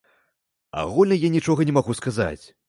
Агульна я нічога не магу сказаць.